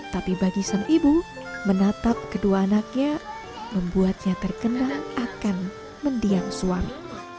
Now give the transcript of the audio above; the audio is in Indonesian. tapi bagi sang ibu menatap kedua anaknya membuatnya terkenal akan mendiam suami